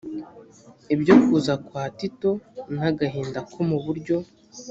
ibyo kuza kwa tito n agahinda ko mu buryo